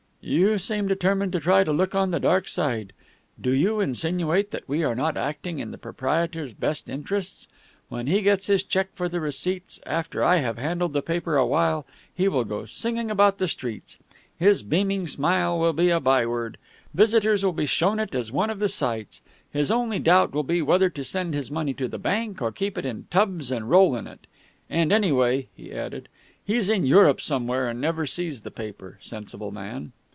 "You seem determined to try to look on the dark side. Do you insinuate that we are not acting in the proprietor's best interests? When he gets his check for the receipts, after I have handled the paper awhile, he will go singing about the streets. His beaming smile will be a byword. Visitors will be shown it as one of the sights. His only doubt will be whether to send his money to the bank or keep it in tubs and roll in it. And anyway," he added, "he's in Europe somewhere, and never sees the paper, sensible man."